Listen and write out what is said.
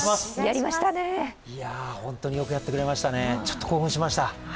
本当によくやってくれましたね、ちょっと興奮しました。